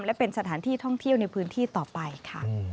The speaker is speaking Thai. และเป็นสถานที่ท่องเที่ยวในพื้นที่ต่อไปค่ะ